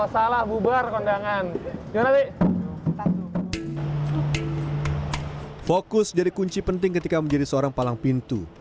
salah bubar kondangan ya nanti fokus jadi kunci penting ketika menjadi seorang palang pintu